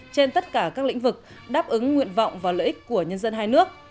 trên tất cả các lĩnh vực đáp ứng nguyện vọng và lợi ích của nhân dân hai nước